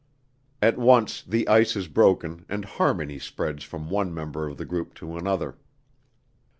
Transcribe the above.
At once the ice is broken and harmony spreads from one member of the group to another.